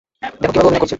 দেখো কীভাবে অভিনয় করছে।